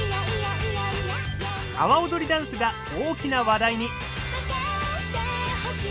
阿波踊りダンスが大きな話題に。